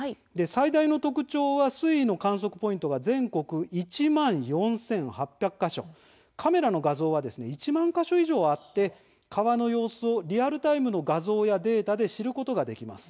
最大の特徴は水位の観測ポイントが全国１万４８００か所カメラの画像は１万か所以上もあって川の様子をリアルタイムの画像やデータで知ることができます。